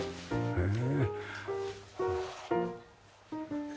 へえ。